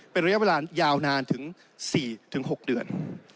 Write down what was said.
เป็นระยะเวลายาวนานถึง๔๖เดือน